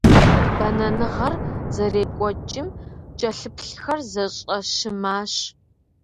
Бэнэныгъэр зэрекӀуэкӀым кӀэлъыплъхэр зэщӀэщымащ.